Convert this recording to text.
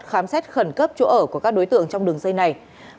khám xét khẩn cấp chỗ ở của các đối tượng trong đường dây này